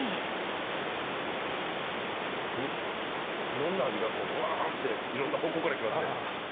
いろんな味がこうブワっていろんな方向からきますね。